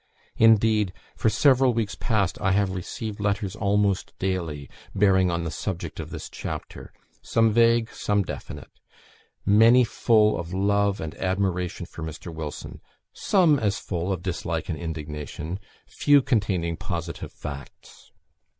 Indeed for several weeks past I have received letters almost daily, bearing on the subject of this chapter; some vague, some definite; many full of love and admiration for Mr. Wilson, some as full of dislike and indignation; few containing positive facts.